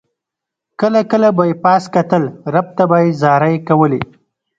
کله کله به یې پاس کتل رب ته به یې زارۍ کولې.